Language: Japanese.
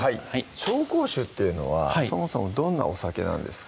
紹興酒っていうのはそもそもどんなお酒なんですか？